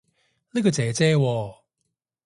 呢個姐姐喎